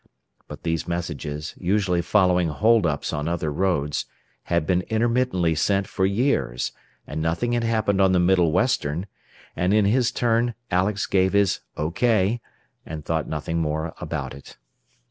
But these messages, usually following hold ups on other roads, had been intermittently sent for years, and nothing had happened on the Middle Western; and in his turn Alex gave his "OK," and thought nothing more about it.